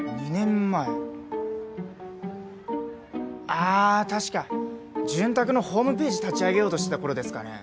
ああ確か潤沢のホームページ立ち上げようとしてた頃ですかね。